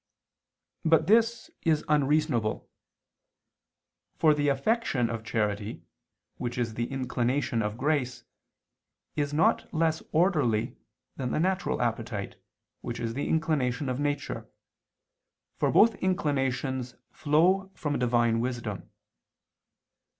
But this is unreasonable. For the affection of charity, which is the inclination of grace, is not less orderly than the natural appetite, which is the inclination of nature, for both inclinations flow from Divine wisdom.